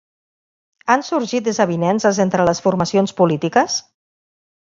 Han sorgit desavinences entre les formacions polítiques?